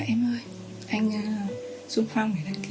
em ơi anh sung phong để đăng ký